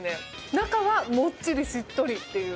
中がもっちりしっとりっていう。